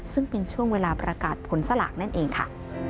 ซึ่งเป็นช่วงเวลาประกาศผลสลากนั่นเองค่ะ